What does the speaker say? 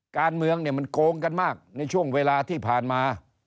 การเมืองเนี่ยมันโกงกันมากในช่วงเวลาที่ผ่านมา